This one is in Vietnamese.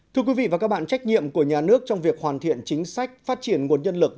thưa quý vị và các bạn trách nhiệm của nhà nước trong việc hoàn thiện chính sách phát triển nguồn nhân lực